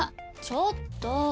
ちょっと。